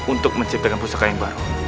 untuk menciptakan pusaka yang baru